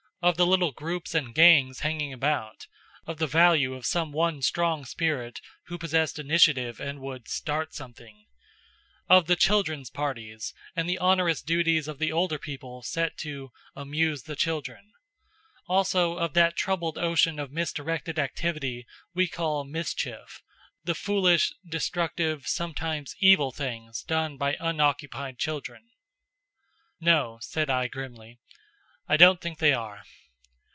of the little groups and gangs hanging about; of the value of some one strong spirit who possessed initiative and would "start something"; of the children's parties and the onerous duties of the older people set to "amuse the children"; also of that troubled ocean of misdirected activity we call "mischief," the foolish, destructive, sometimes evil things done by unoccupied children. "No," said I grimly. "I don't think they are."